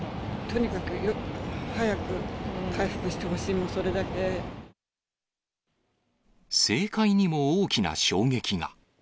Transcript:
とにかく早く回復してほしい、政界にも大きな衝撃が。